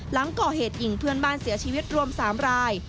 หลังก่อเหตุยิงเพื่อนบ้านเสียชีวิตรวม๓ราย